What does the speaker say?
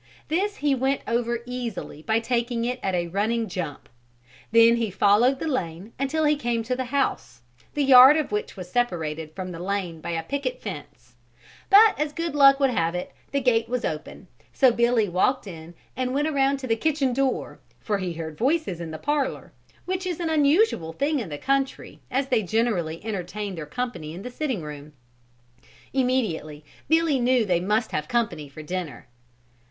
This he went over easily by taking it at a running jump. Then he followed the lane until he came to the house, the yard of which was separated from the lane by a picket fence; but as good luck would have it the gate was open, so Billy walked in and went around to the kitchen door for he heard voices in the parlor, which is an unusual thing in the country as they generally entertain their company in the sitting room. Immediately Billy knew they must have company for dinner.